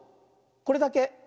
これだけ。